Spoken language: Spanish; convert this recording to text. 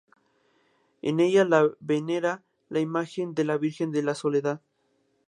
En ella la venera la imagen de la virgen de la Soledad.